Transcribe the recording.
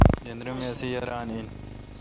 جندرے می اسی یاران این۔